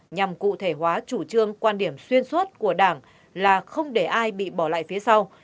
nhằm cụ thể hóa chủ trương quan điểm xuyên suốt của đảng là không để ai bị bỏ lại phía sau